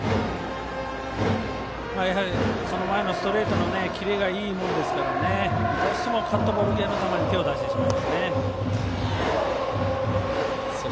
その前のストレートのキレがいいものですからどうしてもカットボール系の球に手を出してしまいますね。